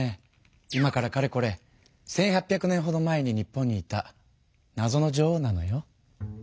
今からかれこれ１８００年ほど前に日本にいたなぞの女王なのよ。